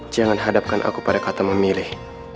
jangan hadapkan aku pada kata memilih